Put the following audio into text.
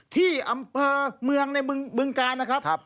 ที่อัมเภอเมืองในเมืองการนะครับ